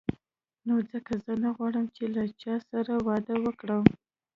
نو ځکه زه نه غواړم چې له چا سره واده وکړم.